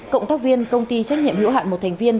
cộng tác viên công ty trách nhiệm hữu hạn một thành viên